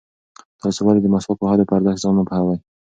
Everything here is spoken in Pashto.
تاسې ولې د مسواک وهلو په ارزښت ځان نه پوهوئ؟